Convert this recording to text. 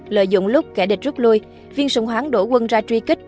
lợi dụng lúc kẻ địch rút lui viên sùng hoáng đổ quân ra truy kích